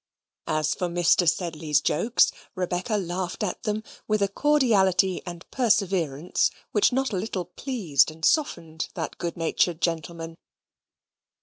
As for Mr. Sedley's jokes, Rebecca laughed at them with a cordiality and perseverance which not a little pleased and softened that good natured gentleman.